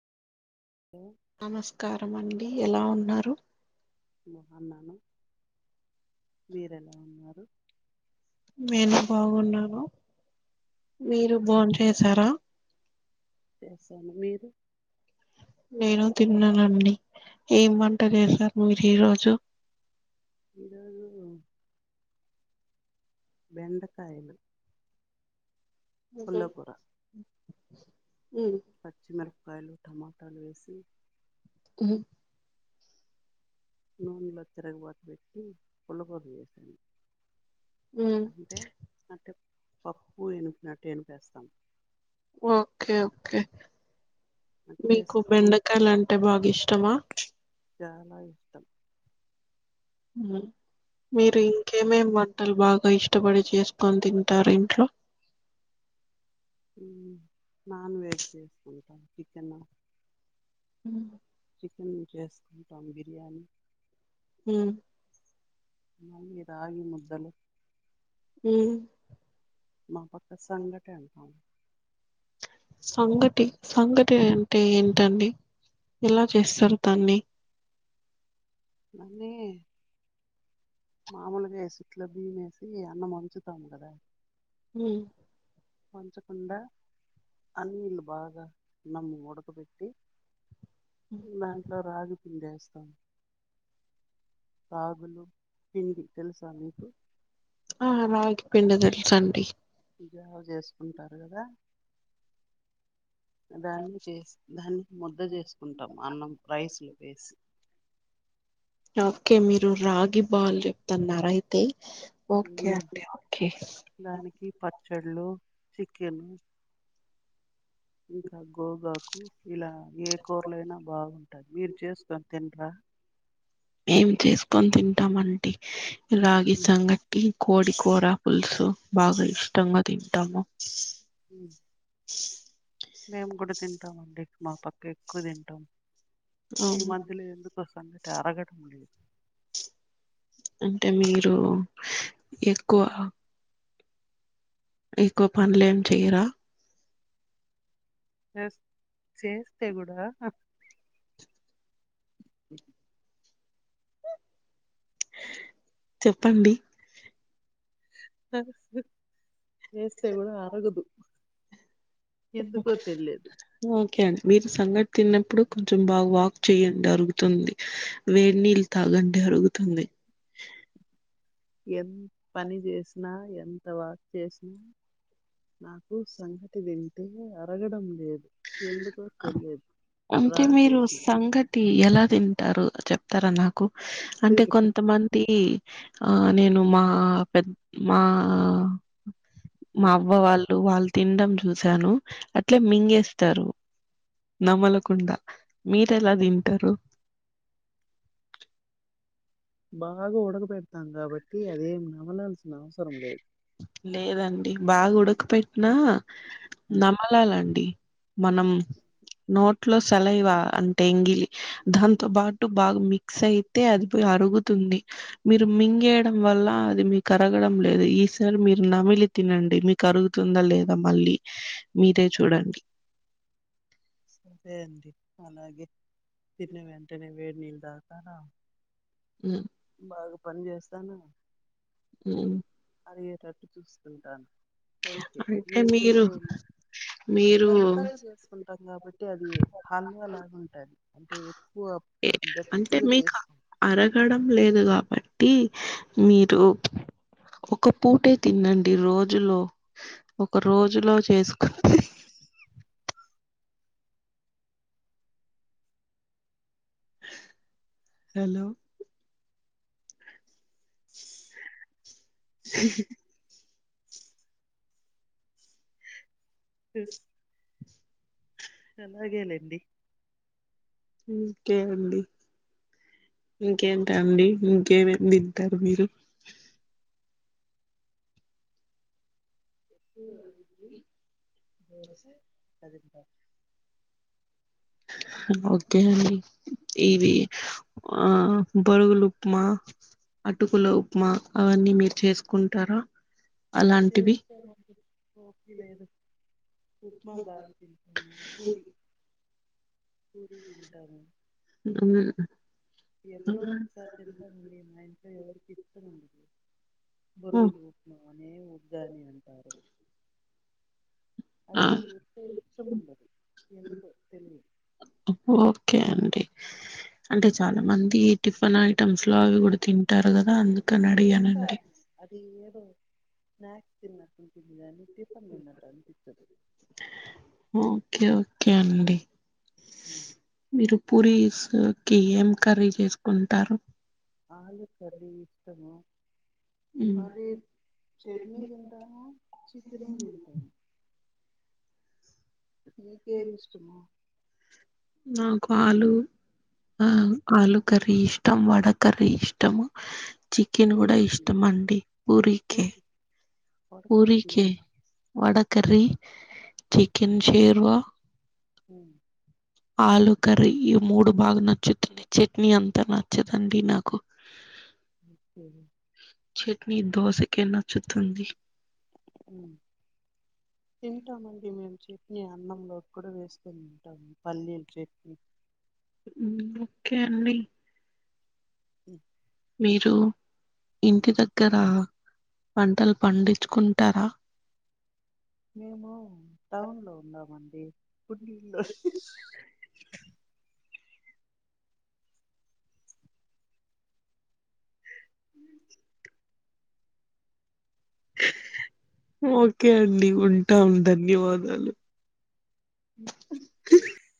Hello నమస్కారం అండి ఎలా ఉన్నారు బాగున్నాము మీరెలా ఉన్నారు నేను బాగున్నాను మీరు బోన్ చేసారా చేసాను మీరు నేను తిన్నానండి ఎం వంట చేసారు మీరు ఈ రోజు ఈ రోజు బెండకయలు ఉంహు పచ్చిమిరపకాయలు టమాటాలు వేసి మ్ నూనెలో తిరగబాత పెట్టి పులగురా చేశాను అంటే అంటే పప్పు ఎనుపినట్టు ఎనిపేస్తాం ఓకే ఓకే అది మీకు చేసుకొని బెండకాయలు అంటే బాగా ఇష్టమా చాలా ఇష్టం మీరు ఉమ్. ఇంకేమేమ్ వన్ వంటలు బాగా ఇష్టపడి చేసుకొని తింటారు ఇంట్లో మ్ నాన్ వెజ్ చేసుకుంటాం చికెన్న మ్ చికెన్ చేసుకుంటాం బిర్యానీ మ్ మళ్ళీ రాగి ముద్దలు మ్ మా పక్క సంగట అంటాం సంగటి సంగటి అంటే ఏంటండి ఎలా చేస్తారు దాన్ని మలే మామూలుగా ఎసిట్లో బిమేసి అన్నం వంచుతాము కదా మ్ పంచకుండా అన్నీ నీళ్ళు బాగా నమ్ ఉడకబెట్టి దాంట్లో రాగి పిండేస్తాం రాగులు పిండి తెలుసా మీకు? ఆ రాగి పిండైతడి సండే జావ చేసుకుంటారు కదా దాన్ని చేసి దాన్ని ముద్ద చేసుకుంటాం అన్నం రైసులో వేసి ఓకే మీరు రాగి బాల్ చెప్తున్నార అయితే ఓకే ఉమ్, అండి ఒకే చళ్ళు చికెన్ ఇంకా గోగాకు ఇలా ఏ కూరలైనా బాగుంటది మీరు చేసుకొని తినరా ఏం చేసుకొని తింటామంటి రాగి ఉమ్, సంగటి కోడి కూర పులుసు బాగా ఇష్టంగా తింటాము ఉ మేము కూడా తింటామండి మా పక్క ఎక్కువ తింటాం కానీ ఈ అవును మధ్యలో ఎందు కో సంగటి అరగడం లేదు అంటే మీరు ఎక్కువ టే ఎక్కువ పనులే ఏం చెయరా చెస్ చేస్తే గూడా చెప్పండి చేస్తే కూడా అరగుదు ఓకే అండి మీరు సంగట్ తిన్నప్పుడు కొంచెం బాగా వాక్ చేయండి అరుగుతుంది, వేడి నీళ్ళు తాగండి అరుగుతుంది. ఎంత పని చేసినా ఎంత వాక్ చేసినా నాకు సంగటి తింటే అరగడం లేదు ఎందుకో తెలియదు అంటే డ్రాప్ మీరు చేసిన సంగటి ఎలా తింటారు చెప్తారా నాకు అంటే కొంతమంది ఆ నేను మా పెద్ద మా మా అవ్వ వాళ్ళు వాళ్ళు తిండం చూశాను అట్లే మింగేస్తారు నమలకుండా మీరెలా తింటరు బాగా ఉడక పెడతాం కాబట్టి అదేం నమలాల్సిన అవసరం లేదు లేదండి బాగా ఉడక పెట్టినా ఆ, నమ్మలాలండి మనం నోట్లో సలైవా అంటే ఎంగిలి దాంతో పాటు బాగా మిక్స్ అయితే అది పో అరుగుతుంది మీరు మింగేయడం వల్ల అది మీకు అరగడం లేదు ఈ స సారీ మీరు నమిలి తినండి మీకు అరుగుతుందా లేదా మళ్ళీ మీరే చూడండి సరే అండి అలాగే తిన్న వెంటేనే వేడి నీళ్లు తాగుతారా ఉ బాగా పని చేస్తానా ఉమ్ అరిగేటట్టు చూస్తుంటాను అంటే మీరు మీరు మెత్తగా చేసుకుంటాం కాబట్టి అది హల్వా లాగా ఉంటుంది అంటే ఎక్కువ అంటే గట్టిగా మీకు చేసుకోం. అరగడం లే కాబట్టి మీరు ఒక పూటే తినండి రోజులో ఒక రోజులో చేసుకుంటె హలో ఉహు ఉ అలాగేలేండి ఇంకేమండి ఇంకేంటండి ఇంకేమేం తింటారు మీరు ఎక్కువ రవ్వ ఇడ్లీ దోసె తింటాను ఓకే అండి ఇవి ఆ బోరుగులుప్మా అటుకులోప్మా అవన్నీ మీరు చేసుకుంటారా అలాంటివి చేస్తానండి ఓపిక లేదు ఉప్మా బాగా తింటాను పూరి పూరి దింటాను ఎప్పుడో ఒకసారి తింటామండి మా ఇంట్లో ఎవరికి ఇష్టం ఉండదు ఉ, బోరుగులు ఉప్మా అనే వద్దని అంటారు ఆ అది ఎక్కువ ఇష్టముండదు ఎందుకో తెలిదు ఓకే అండి అంటే చాలా మంది టిఫిన్ ఐటమ్స్ లో అవి కూడా తింటారు కదా అందు తింటారు అది ఏదో స్నాక్స్ తిన్నట్టుంటుంది గాని ఓకే ఓకే అండి ఉమ్. మీరు పూరిస్ లొకి ఏం కర్రీ చేసుకుంటారు ఆలు కర్రి ఇష్టము ఉమ్, మరి చెట్నీ తింటాము చికెను తింటాము మీకేదిష్టము నాక్ ఆలు ఉమ్ ఆలుూ కర్రి ఇష్టం వడ కర్రి ఇష్టము చికెన్ కూడా పూరీకి ఇష్టం అండి పూరికే పూరి వడకరి ఊరికే తిన్నారా వడ కర్రి చికెన్ షేర్వా ఉ ఆలు కర్రీ ఈ మూడు బాగా నచ్చుతుంది చట్నీ అంత నచ్చదండి నాకు ఓకే చట్నీ దోస కే నచ్చుతుంది తింటామండి మేం చి ఈ అన్నంలో కూడా వేసుకొని తింటాము పల్లీలు చెట్ని ఉమ్ ఓకే అండి ఉ మీరు ఇంటి దగ్గర పంటలు పండించుకుంటారా మేము టౌన్ లో ఉన్నామండి పుండిలో ఉ ఓకే అండి ఉంటాం ధన్యవాదాలు ఉహు